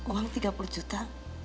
uang tiga puluh juta